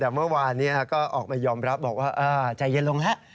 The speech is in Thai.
แต่เมื่อวานนี้ก็ออกมายอมรับบอกว่าใจเย็นลงแล้ว